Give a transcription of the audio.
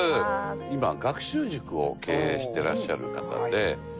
今学習塾を経営していらっしゃる方で６６歳。